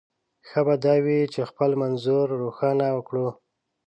ښه به دا وي چې خپل منظور روښانه کړو.